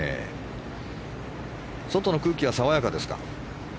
外の空気は爽やかですか？